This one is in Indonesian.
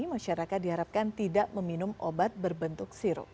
masyarakat diharapkan tidak meminum obat berbentuk sirup